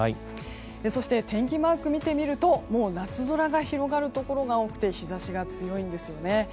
そして、天気マークを見てみるともう夏空が広がるところが多くて日差しが強いんですよね。